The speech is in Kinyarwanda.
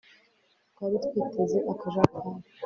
twari twiteze akajagari